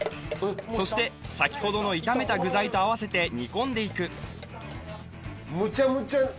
そして先ほどの炒めた具材と合わせて煮込んでいく